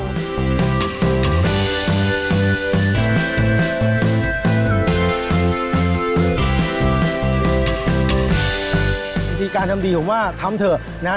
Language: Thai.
จริงการทำดีผมว่าทำเถอะนะครับ